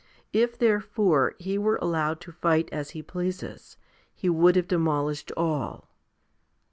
If therefore he were allowed to fight as he pleases, he would have demolished all.